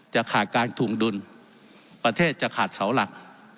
จะขาดการถวงดุลประเทศจะขาดเสาหลัก